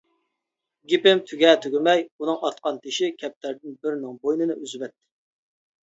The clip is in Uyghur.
گېپىم تۈگە-تۈگىمەي ئۇنىڭ ئاتقان تېشى كەپتەردىن بىرىنىڭ بوينىنى ئۈزۈۋەتتى.